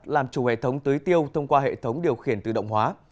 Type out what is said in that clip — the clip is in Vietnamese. làm chủ hệ thống tưới tiêu thông qua hệ thống điều khiển tự động hóa